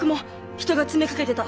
人が詰めかけてた。